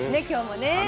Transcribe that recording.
今日もね。